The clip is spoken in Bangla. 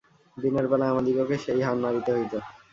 দিনের বেলায় আমাদিগকে সেই হাড় নাড়িতে হইত।